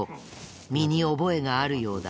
身に覚えがあるようだ。